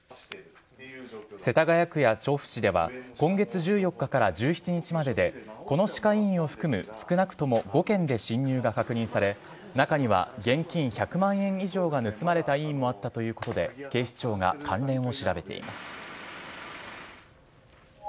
世田谷区や調布市では、今月１４日から１７日までで、この歯科医院を含む少なくとも５件で侵入が確認され、中には現金１００万円以上が盗まれた医院もあったということで、警視庁が関連を調べています。